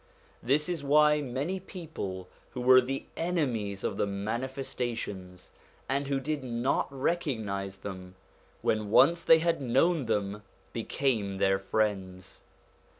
This is why many people who were the enemies of the Manifestations, and who did not recognise them, when once they had known them became their friends.